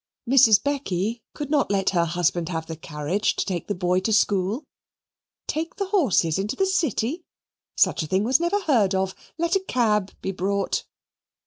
Mrs. Becky could not let her husband have the carriage to take the boy to school. Take the horses into the City! such a thing was never heard of. Let a cab be brought.